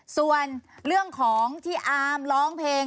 ส่วนเรื่องของที่อาร์มร้องเพลง